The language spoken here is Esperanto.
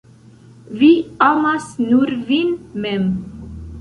Vi amas nur vin mem.